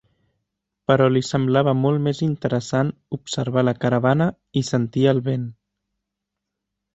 Però li semblava molt més interessant observar la caravana i sentir el vent.